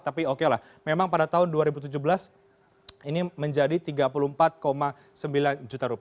tapi oke lah memang pada tahun dua ribu tujuh belas ini menjadi rp tiga puluh empat sembilan juta